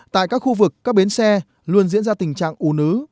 tại các khu vực các bến xe luôn diễn ra tình trạng ủ nứ